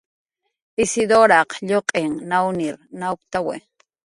Isiduraq lluq'in niwnir nawptawi